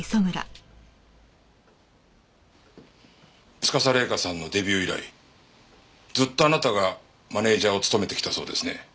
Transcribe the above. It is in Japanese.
司麗香さんのデビュー以来ずっとあなたがマネジャーを務めてきたそうですね。